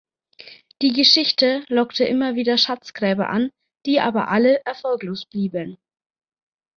Die Geschichte lockte immer wieder Schatzgräber an, die aber alle erfolglos blieben.